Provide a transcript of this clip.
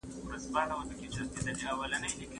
چي نه سیوری د رقیب وي نه اغیار په سترګو وینم